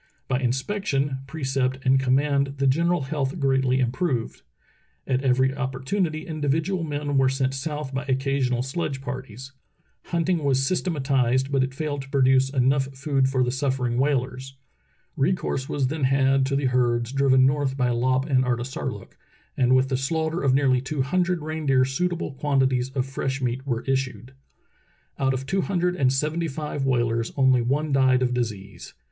By inspection, precept, and command the general health greatly im proved. At every opportunity individual men were sent south by occasional sledge parties. Hunting was systematized, but it failed to produce enough food for the suffering whalers. Recourse was then had to the herds driven north by Lopp and Artisarlook, and with the slaughter of nearly two hundred reindeer suitable quantities of fresh meat were issued. Out of two hundred and seventy five whalers only one died of disease.